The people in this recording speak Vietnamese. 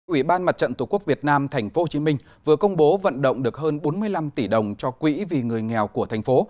ủy ban mặt trận tổ quốc việt nam tp hcm vừa công bố vận động được hơn bốn mươi năm tỷ đồng cho quỹ vì người nghèo của thành phố